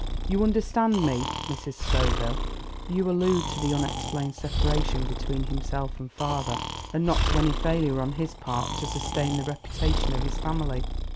You understand me, Mrs. Scoville?" "You allude to the unexplained separation between himself and father, and not to any failure on his part to sustain the reputation of his family?"